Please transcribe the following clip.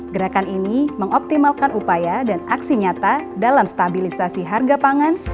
gerakan ini mengoptimalkan upaya dan aksi nyata dalam stabilisasi harga pangan